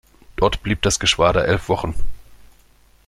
Dort blieb das Geschwader elf Wochen.